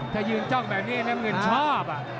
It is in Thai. ถ้ายืนจ้องแบบนี้น้ำเงินชอบ